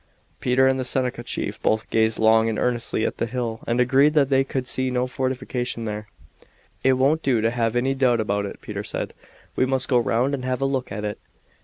Peter and the Seneca chief both gazed long and earnestly at the hill and agreed that they could see no fortification there. "It won't do to have any doubt about it," Peter said. "We must go round and have a look at it."